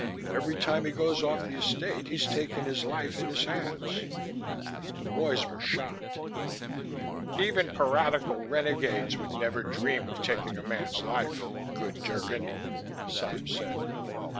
Every time he goes off the Estate he's taking his life in his hands." The boys were shocked. "Even piratical renegades would never dream of taking a man's life, good Drgon," Sime said.